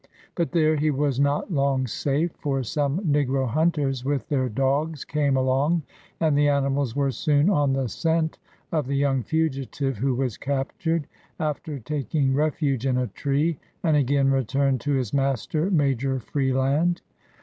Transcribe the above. But there he was not long safe, for some negro hunters, with their dogs, came along, and the animals were soon on the scent of the young fugitive, who was captured, after taking refuge in a tree, and again returned to his master. Major Freeland.